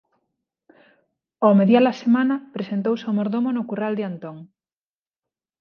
Ó media-la semana presentouse o mordomo no curral de Antón.